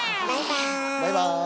バイバーイ。